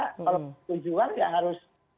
kalau tujuan ya harus